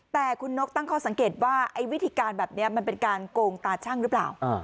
แต่คุณนกตั้งข้อสังเกตว่าไอ้วิธีการแบบนี้มันเป็นการโกงตาชั่งหรือเปล่า